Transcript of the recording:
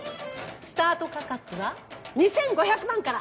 スタート価格は２，５００万から。